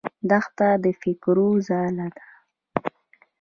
دښته د فکرو ځاله ده.